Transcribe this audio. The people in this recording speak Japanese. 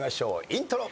イントロ。